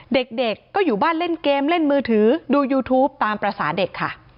เด็กก็อยู่บ้านเล่นเกมเล่นมือถือดูยูทูปตามภาษาเด็กค่ะ